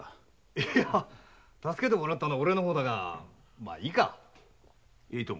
いや助けてもらったのは俺の方だがまぁいいか。